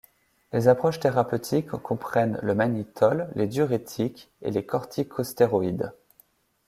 Les approches thérapeutiques comprennent le mannitol, les diurétiques et les corticostéroïdes.